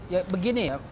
ya begini ya